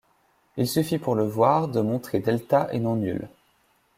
Il suffit pour le voir de montrer Δ est non nul.